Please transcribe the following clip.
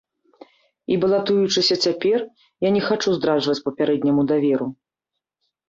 І балатуючыся цяпер, я не хачу здраджваць папярэдняму даверу.